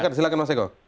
ya silahkan mas eko